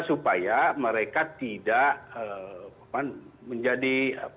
supaya mereka tidak menjadi